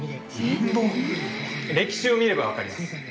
歴史を見れば分かります。